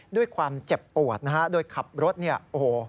ด้วยความเจ็บปวดนะฮะโดยขับรถเนี่ยโอ้โห